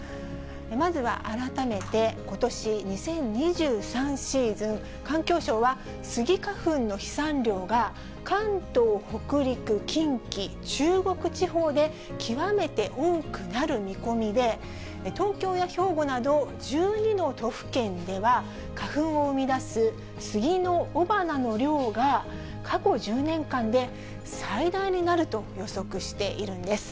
まずは改めて、ことし、２３シーズン、環境省は、スギ花粉の飛散量が関東、北陸、近畿、中国地方で、極めて多くなる見込みで、東京や兵庫など１２の都府県では、花粉を生み出すスギの雄花の量が、過去１０年間で最大になると予測しているんです。